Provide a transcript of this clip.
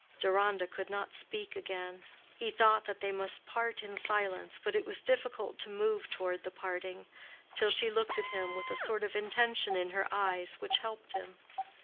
Deronda could not speak again. He thought that they must part in silence, but it was difficult to move toward the parting, till she looked at him with a sort of intention in her eyes, which helped him.